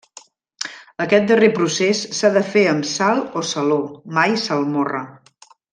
Aquest darrer procés s'ha de fer amb sal o saló, mai salmorra.